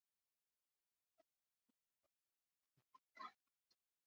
Entrenatzailearen arabera, emozioak kontrolatzean datza arrakastaren giltzak azken txanpa honetan.